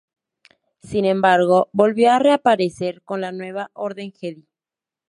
Sin embargo, volvió a reaparecer con la Nueva Orden Jedi.